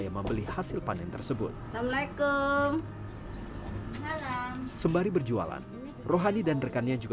yang membeli hasil panen tersebut sembari berjualan rohani dan rekannya juga